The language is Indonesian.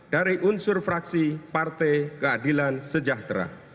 dari unsur fraksi partai keadilan sejahtera